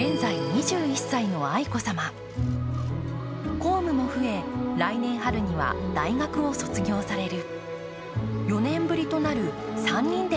公務も増え、来年春には大学を卒業される。